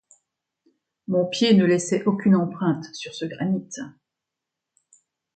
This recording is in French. Mon pied ne laissait aucune empreinte sur ce granit.